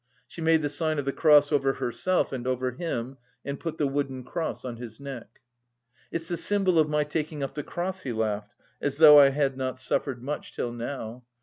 She made the sign of the cross over herself and over him, and put the wooden cross on his neck. "It's the symbol of my taking up the cross," he laughed. "As though I had not suffered much till now!